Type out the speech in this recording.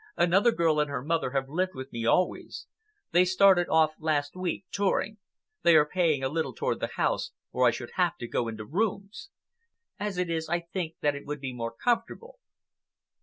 "Another girl and her mother have lived with me always. They started off last week, touring. They are paying a little toward the house or I should have to go into rooms. As it is, I think that it would be more comfortable."